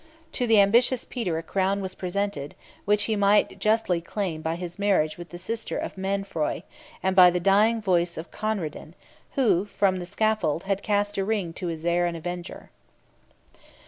To the ambitious Peter a crown was presented, which he might justly claim by his marriage with the sister 419 of Mainfroy, and by the dying voice of Conradin, who from the scaffold had cast a ring to his heir and avenger.